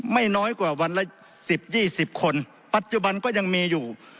ไม่น้อยกว่าวันละ๑๐๒๐คนปัจจุบันก็ยังมีอยู่